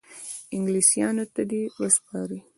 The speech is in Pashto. انګلیسیانو ته دي وسپاري.